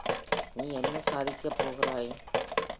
நீ என்ன சாதிக்கப் போகிறாய்?